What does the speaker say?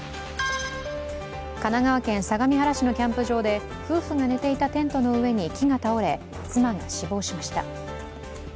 神奈川県相模原市のキャンプ場で夫婦が寝ていたテントの上に木が倒れ、妻が死亡しました。